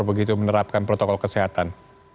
begitu menerapkan protokol kesehatan